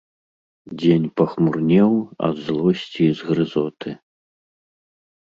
Дзень пахмурнеў ад злосці і згрызоты.